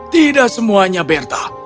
tidak semuanya bertha